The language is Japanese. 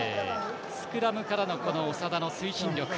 スクラムからの長田の推進力。